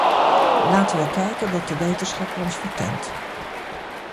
Laten wij kijken wat de wetenschap ons vertelt.